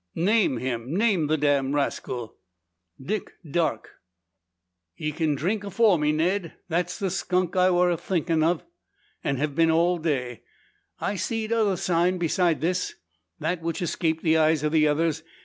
"Name him! Name the damned rascal!" "Dick Darke." "Ye kin drink afore me, Ned. That's the skunk I war a thinkin' 'bout, an' hev been all the day. I've seed other sign beside this the which escaped the eyes o' the others.